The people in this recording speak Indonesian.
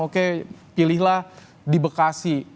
oke pilihlah di bekasi